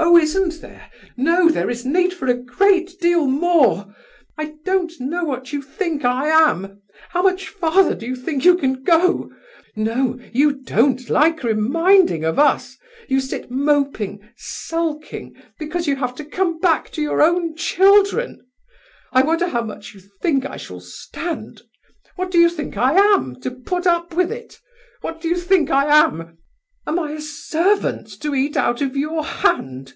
"Oh, isn't there? No, there is need for a great deal more. I don't know what you think I am. How much farther do you think you can go? No, you don't like reminding of us. You sit moping, sulking, because you have to come back to your own children. I wonder how much you think I shall stand? What do you think I am, to put up with it? What do you think I am? Am I a servant to eat out of your hand?"